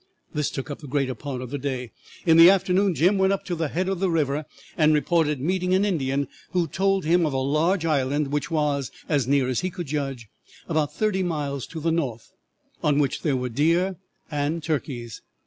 This took up the greater part of the day. In the afternoon Jim went up to the head of the river and reported meeting an Indian who told him of a large island which was, as near as he could judge, about thirty miles to the north, on which there were deer and turkeys.